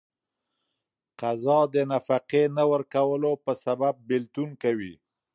قضا د نفقې نه ورکولو په سبب بيلتون کوي.